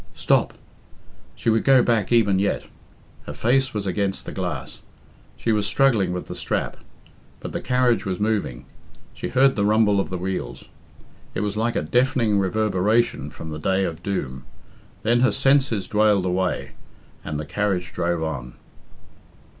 Stop! She would go back even yet. Her face was against the glass; she was struggling with the strap. But the carriage was moving. She heard the rumble of the wheels; it was like a deafening reverberation from the day of doom. Then her senses dwaled away and the carriage drove on.